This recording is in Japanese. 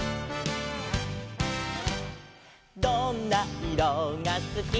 「どんないろがすき」「」